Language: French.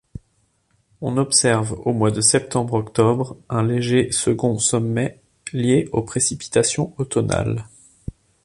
On observe aux mois de septembre-octobre, un léger second sommet lié aux précipitations automnales.